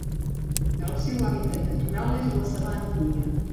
El seu hàbitat natural és la sabana humida.